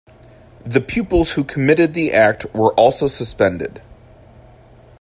The pupils who committed the act were also suspended.